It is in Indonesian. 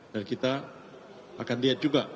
dan kita akan lihat juga